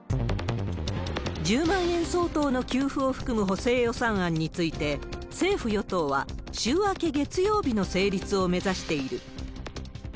１０万円相当の給付を含む補正予算案について、政府・与党は週明け月曜日の成立を目指している。